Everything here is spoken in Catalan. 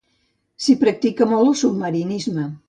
S'hi practica molt el submarinisme.